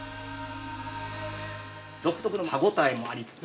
◆独特の歯応えもありつつも。